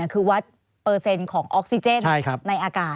คือวัดเปอร์เซ็นต์ของออกซิเจนในอากาศ